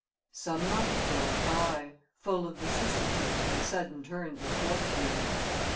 Some months rolled by, full of vicissitudes and sudden turns of fortune.